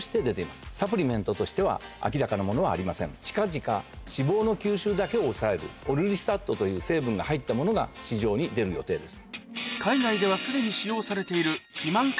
近々脂肪の吸収だけを抑えるオルリスタットという成分が入ったものが市場に出る予定です。